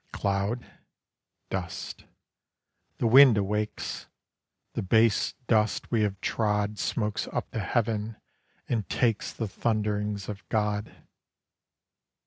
Cloud?—dust. The wind awakes; The base dust we have trod Smokes up to heaven and takes The thunderings of God.